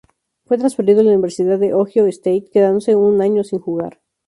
Fue transferido a la Universidad de Ohio State, quedándose un año sin jugar.